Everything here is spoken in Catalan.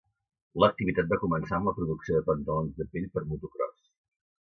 L'activitat va començar amb la producció de pantalons de pell per a motocròs.